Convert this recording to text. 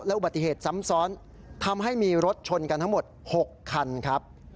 อุบัติเหตุซ้ำซ้อนทำให้มีรถชนกันทั้งหมด๖คันครับ